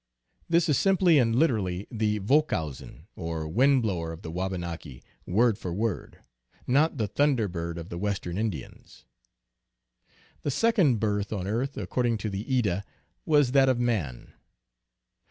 This is simply and literally the Wochowsen or Windblower of the Wabanaki word for word, not the " Thunder Bird " of the Western Indians. The second birth on earth, according to the Edda, was that of man.